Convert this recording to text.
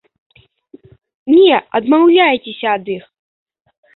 Не адмаўляйцеся ад іх!